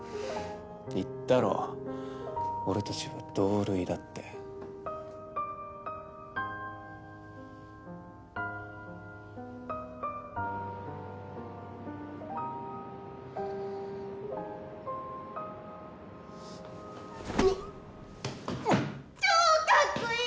言ったろ俺たちは同類だってうわっ超かっこいい！